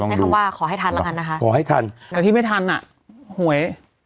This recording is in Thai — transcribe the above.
ใช้คำว่าขอให้ทันแล้วกันนะคะขอให้ทันแต่ที่ไม่ทันอ่ะหวย